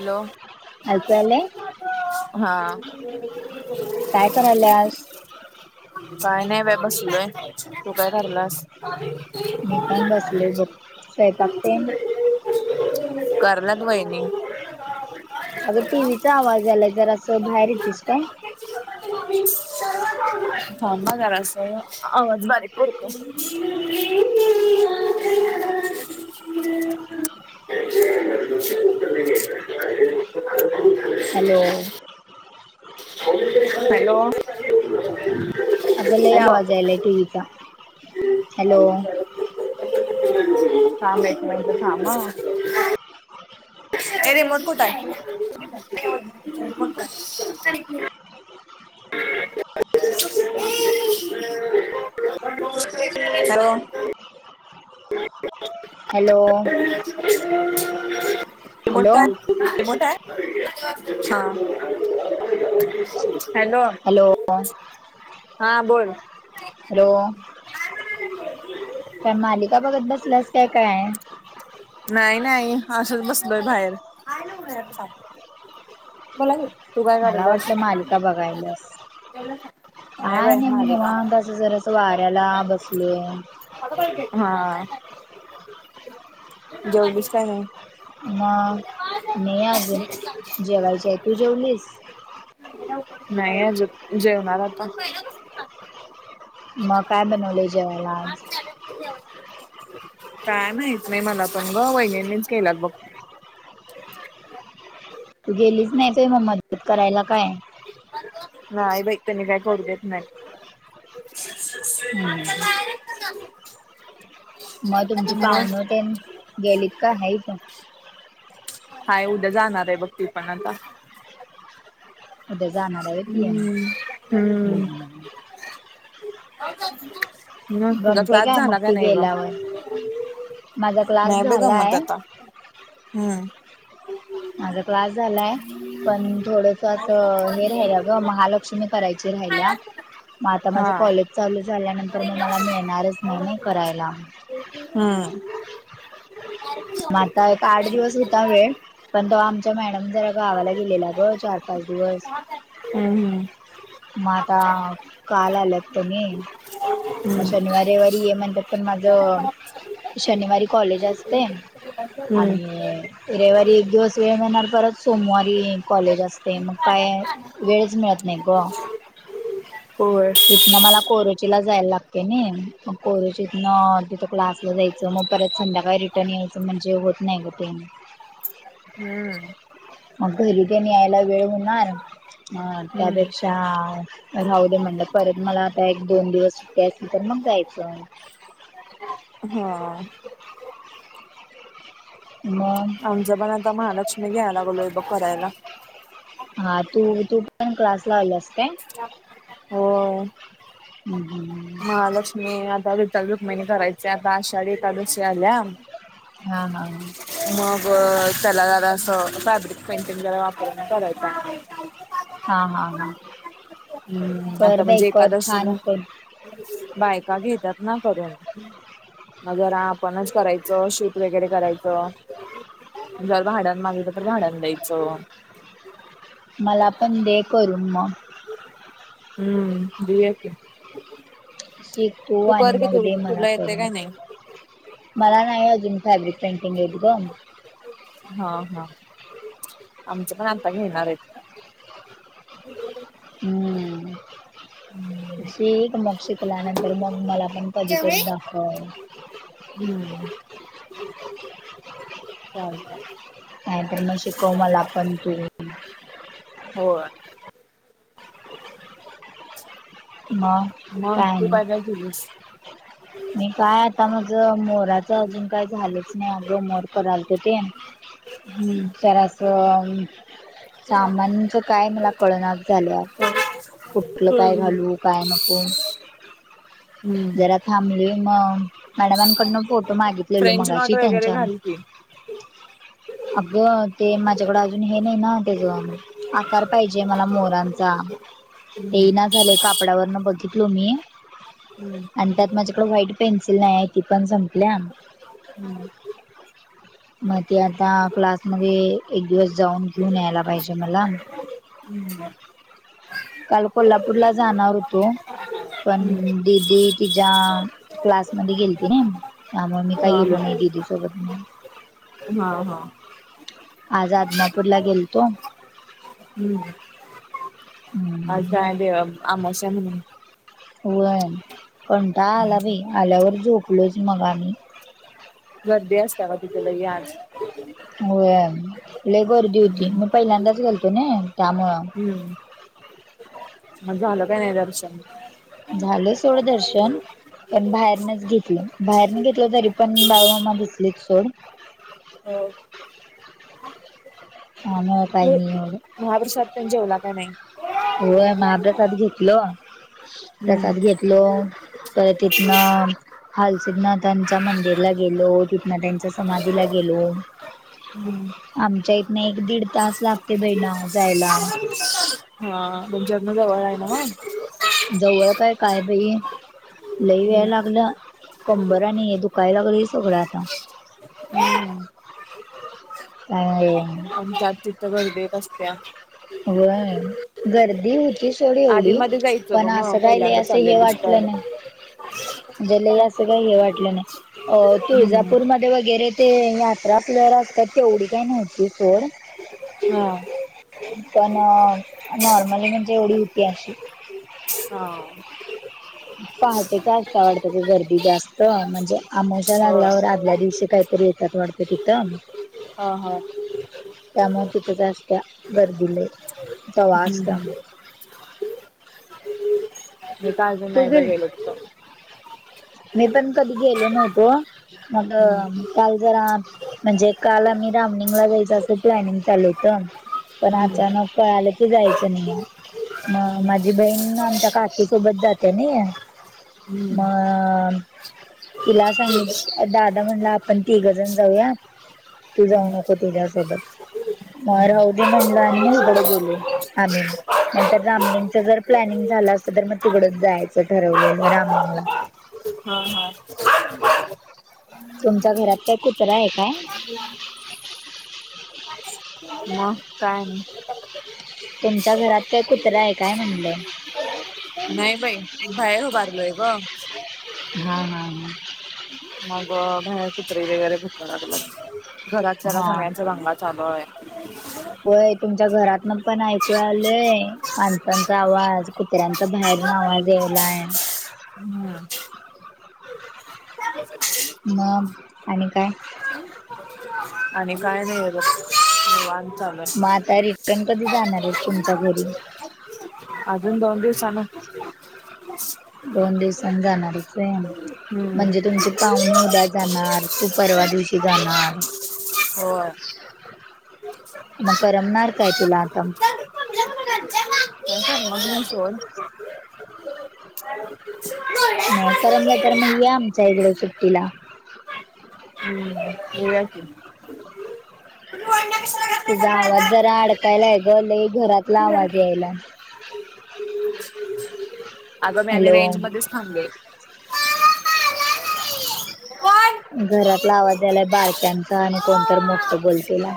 Hello. ऐकू आले हा. काय [unintelligible] [inaudible] करायल्यास काय नाही बाय बसलोय तू काय ठरली?. अ. मी पण बसले बघ स्वयंपाक ते [unintelligible] [inaudible] करलात वहिनी. अग टीव्हीचा आवाज आलाय तर असं बाहेर येतेस का?. थांबा जराच आवाज बारीक करतो. [unintelligible] [inaudible] ह् [unintelligible] [inaudible] हॅलो? हॅलो? अग लय हॅलो आवाज यायलय टीव्ही चा, हॅलो? थांब हं एक मिनिट थांब हम. ये रिमोट कुट हाय? हॅलो. ह. [unintelligible] हॅलो. ते म्हण हॅलो काय. [unintelligible] [inaudible] मो [unintelligible] ठ आहे हा. हॅलो हा बोल. हॅलो? काय मालिका बघत बसल्यास काय काय? नाही नाही असंच बसलोय बाहेर. बोला की तू काय मला करायल्यास वाटलं मालिका बघायल्यास काय बाई नाही मी मालिका निवांत अस जरास वाऱ्याला बसलोय. हा जेवलीस का नाही? हा नाही अजून, जेवायचेय तू जेवलीस? नाही आजुन जेवणार आता. मग काय बनवलय जेवायला आज? काय माहित नाही मला पण ग, वहिनीच केल्यात बघ तू गेलीच नाहीस होय मग मदत करायला काय? नाही बाई त्यांनी काय करू देत नाही. हम्म. [unintelligible] मग तुमची पाहुण मग तेन गेलीत काय होईत? हाय उद्या जाणार आहे बघ ती पण आता. उद्या जाणार आहे ती आहे. हम. हम्म. मग तुझा गमते क्लास काय मग झाला का ती नाही ग? गेल्यावर माझा क्लास नाही बाई गमत झालाय आता हं माझा क्लास झालाय, पण थोडस असं महालक्ष्मी करायची राहिल्या, मग आता माझ हा. कॉलेज चालू झाल्यानंतर मग मला मिळणारच नाही नाही करायला. हम. मग आता एक, आठ दिवस होता वेळ पण तवा आमच्या मॅडम जरा गावाला गेलेल्या ग चार पाच दिवस हं हं. म आता, काल आल्यात तेनी मग शनिवार रविवारी ये म्हणतात पण माझं हम्म. शनिवारी कॉलेज असतय, आणि रविवारी एक दिवस वेळ मिळणार, परत सोमवारी कॉलेज असतय, मग काय वेळच मिळत नाही ग होय. मग मला कोरचीला जायला लागतय नई, मग कोरचीतन तिथं क्लासला जायचं मग परत संध्याकाळी रिटर्न यायचं म्हणजे होत नाही ग म ते [unintelligible] [inaudible] मग घरी ते न यायला वेळ होणार म हम्म. त्यापेक्षा राहुदे म्हणलं, परत मला आता एक दोन वर्ष सुट्टी असतील तर मग जायचं हा मग आमच्या पण आत्ता, महालक्ष्मी घ्यायलागलोय बघ करायला हा तू तू न क्लासला आल्यास काय होय. म आता विठ्ठल रुक्मिणी करायचे आता आषाढी एकादशी आल्या हा हा. मग त्याला जरा अस फॅब्रिक पेंटिंग जरा वापरून करायचं हा हा हा. हं कर आता बाई म्हणजे कर एकादशीला छान कर बायका घेतात ना करून जरा आपणच करायचं शूट वगैरे करायचं. जर भाड्यान मागितलं तर भाड्याना द्यायचं. मला पण दे करून मग हम्म दिव्याक शिकतो आणि मग दे मला तुला येते पडून काय नाही मला नाही अजून फॅब्रिक पेंटिंग येत ग. हा हा आमच पण आता घेणार आहेत. हम्म. हम्. श एक मग शिकल्यानंतर मग मला पण जेवली? कधीतरी दाखव. हम्म चालेचा. नाही तर मग शिकवू मला पण तू हो मग म काय तू नाही पाहि का घलीस. मी काय आता माझ मोराच अजून काय झालंच नाही अगं मोर करायल त ते हम्म चराासो. सामानचं काय मला कळना झाल्या कुठलं काय हम्म घालू. पाय नको हम्म जरा थांबली मग मॅडमांकडनं फोटो मागितलेलो फ्रेंच नॉट मगाची वगैरे त्यांच्या घाल की. अग ते माझ्याकडें अजून हे नाही ना त्याच आकार पाहिजे मला मोरांचा हे ना झाले काप डावरण बघितलो मी हम्म. आणि त्यात माझ्याकडं व्हाईट पेन्सिल नाही आहे ती पण संपल्या. हम्म. [unintelligible] मग ते आता क्लासमध्ये एक दिवस जाऊन घेऊन यायला पाहिजे मला हम् ह. काल कोल्हापूरला जाणार होतो पण हम्म दिदी की ज्या क्लासमध्ये गेलती ना त्यामुळे मी हा काही गेलो हा नाही दीदीसोबत नाही. हा हा. आज आदमापूर ला गेल तो हम्म. हम्म. काय दे आमोशा म्हणून हो पणता आला भाई आल्यावर झोपलोच मग आम्ही गर्दी असते म तिथला यान होले गर्दी होती मी पहिल्यांदाच घालतो ना त्यामुळं. म झालं काय नाही दर्शन झालं सोडं दर्शन. पण बाहेरनच घेतली बाहेरन घेतलं तरी पण बाळ मामा घेतली सोड. हो. ह म काय नाही होग. महाप्रसाद पण जेवला का नाही. होय महाप्रसाद घेतल प्रसाद हम्म घेतलो. परतथन हालसिद्नाथांच्या मंदिरला गेलो तीथन नाथ्यांच्या समाधीला गेलो हम् आमच्या इथन एक दीड तास लागते बहिण जायला हा पमच्यातन जवळ आहे ना. जाऊळ काय काय बई लई याय लागलं. कंबर आणि दुखायलागलं सगळं आता ह आमच्या आत तिथं गर्दी कसते व गर्दी होती ती सोडी आधी एवढी मध्ये जायचं पण ग असं मग राहिल पहिल्यांदा असं हे चाललेलीस वाटलं तर नाही े ल अस काही हे वाटलं नाही अ हम्म तुळजापूरमध्येध्ये वगैरे ते यात्रा आपल्याला असतात तेवढी काही नव्हती फोर हा पण नॉर्मली म्हणजे एवढी होती अशी हा पहाटे काच आवडत ते गर्दी जास्त म्हणजे आमच्या हो ह लागल्यावर आदल्या दिवशी काहीतरी येतात वाढते तिथं ह हा त्यामुळे तिथ जास्त्या गर्दीले आहे हम्म हम मी काय अजून गेलो तू नाही गेल बाई तिथं मी पण कधी गेलो नव्हतो मग हम्म काल जरा म्हणजे काल आम्ही रामलिंगला जायच असं प्लॅनिंग चालू होत पण हम्म अचानक कळालं की जायचं नाही म माझी बहीण आमच्या काकीसोबत जाते ना हम् मग तिला सांगित दादा म्हणला आपण तिघं जण जाऊया तू जाऊ नको तुझ्यासोबत मग राहूदे म्हणलं आणि मी इकड गेलो आम्ही नाहीतर रामलिंगच जर प्लॅनिंग झालं असत तर मग तिकडून जायचं ठरवलेलं रामलिंगला हम हम तुमच्या घरात काय कुत्रा आहे काय हा काय नाही तुमच्या घरात काय कुत्रा आहे काय म्हणलं नाही बाई बाहेर उभारलोय ब हा हा हा मग बाहेर कुत्रीे वगैरे भुक लागला घरातल्याला हा सगळ्यांचा दंगा चालूय होय तुमच्या घरात मग पण ऐकू आलंय माणसांचा आवाज कुत्र्यांचा बाहेरन आवाज यायलाय हम्म. न आणि काय आणि काय नाही बवान चाल मग आता रिटर्न कधी जाणार आहेस तुमच्या घरी अजून दोन दिवसान दोन दिवसांनी जाणारच आहे हम्म म्हणजे तुमचे काव उद्या जाणार तू परवा दिवशी जाणार होय. काय मग करमणार काय तिला आता ह सन ब नाही करम लटर मग या आमच्या इकड सुट्टीला हम्म ये तु तुझा आवाज जरा अडकायला आहे ग घरातला आवाज यायला अग मी आणि हॅलो रेंज मध्येच थांबल घरातला आवाज यायलाय बाारक्यांचा आणि कोणत मोठ बोलतेला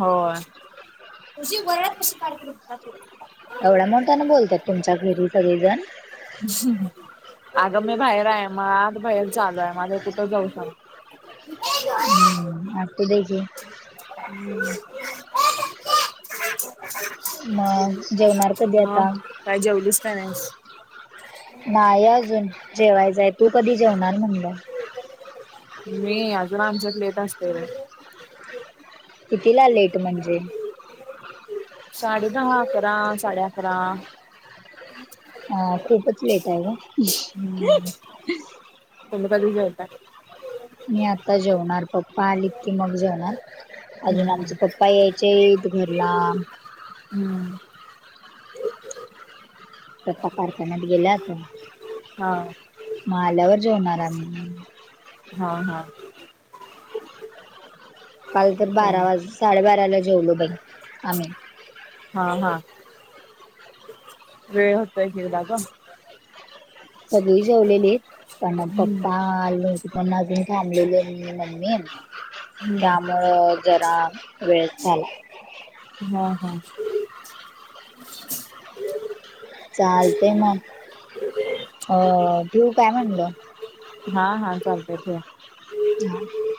हो तुझशी वळ कशी कातात एवढ्या मोठ्या ना बोलतात तुमच्या घरी स जण अगं मी बाहेर आहे मग आज बाहेर चालू आहे माझं कुठं जाऊ सांग हम्म आ तू देचीे हम्म अ जेवणार कधी हा आता काय जेवढच प नाही नाही अजून जेवायचंय तू कधी जेवणार म्हणलं मी अजून आमच्यात लेट असते र कितीला लेट म्हणजे साडे दहा अकरा साडे अकरा हा खूपच लेट आहे ग तम कधी जा आहे मी आता जेवणार पप्पा आलीत की मग जेवणार अजून हम्म आमच पप्पा पप्पा यायचेत घरला हम्म त्यापाकार का नत गल्यायच हां माल्यावर जेवणार आ्ही हा हा काल तर हा बारा वाज साडेबाराला जेवलो बाई आम्ही हा हा वेळ होतय हेळला का सगळी जेवलेली आहेत पण हम्म पप्पा आल पण अजून थांबलेली म ममी हम्म जरा वेळ झाला हा हा चालते मग हो प्यऊ काय म्हणलं हा हा चालते तेे [inaudible]